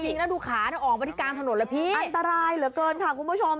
จริงแล้วดูขาออกมาที่กลางถนนเลยพี่อันตรายเหลือเกินค่ะคุณผู้ชม